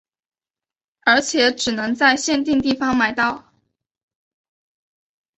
而且只能在限定地方买到。